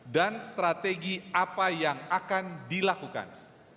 dan strategi apa yang akan dilakukan